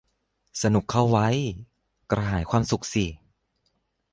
สนุกเข้าไว้ กระหายความสุขสิ